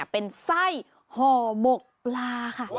เป็นไส้ห่อหมกปลาค่ะ